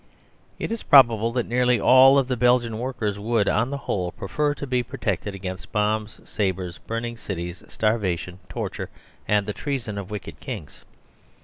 It is probable that nearly all of the Belgian workers would, on the whole, prefer to be protected against bombs, sabres, burning cities, starvation, torture, and the treason of wicked kings.